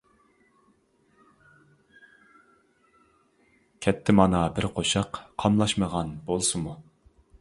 كەتتى مانا بىر قوشاق، قاملاشمىغان بولسىمۇ.